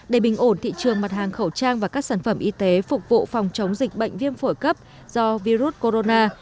để bình ổn thị trường mặt hàng khẩu trang và các sản phẩm y tế phục vụ phòng chống dịch bệnh viêm phổi cấp do virus corona